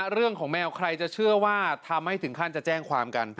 แมวใครจะเชื่อว่าทำให้ถึงขั้นจะแจ้งความกัน